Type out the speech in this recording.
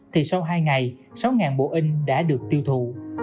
thì sau hai ngày sáu bộ in đã được tiêu thụ